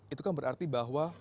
itu kan berarti bahwa